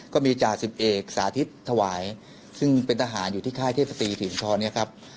ก็มีจราดสิบเอกสาธิตทวายซึ่งเป็นทหารอยู่ที่ค่ายเทพศตรีทิสไปพอแล้วครับ